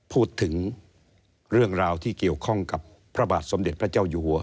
พูดถึงเรื่องราวที่เกี่ยวข้องกับพระบาทสมเด็จพระเจ้าอยู่หัว